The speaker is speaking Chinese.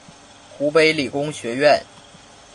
湖北理工学院